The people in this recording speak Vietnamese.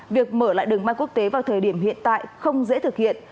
việc mở lại đường bay quốc tế vào thời điểm hiện tại không dễ thực hiện